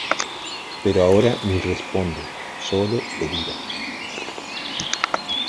pero ahora ni responde, solo delira.